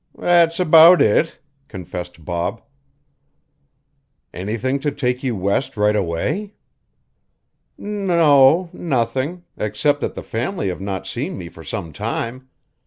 "That's about it," confessed Bob. "Anything to take you West right away?" "N o nothing, except that the family have not seen me for some time.